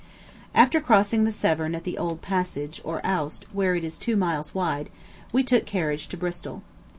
After crossing the Severn at the old Passage, or Aust, where it is two miles wide, we took carriage to Bristol.